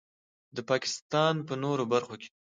د پاکستان په نورو برخو